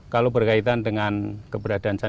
kalau berkaitan dengan keberadaan